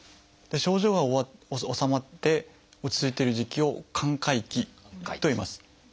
症状が治まって落ち着いてる時期を「寛解期」といいます。